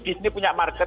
disney punya market